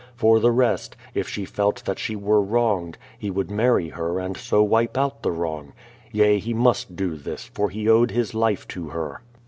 For the rest, if she felt that she were wronged, he would marry her and so wipe out the wrong. Yea, he must do this, for he owed his life to her.